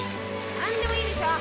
何でもいいでしょ！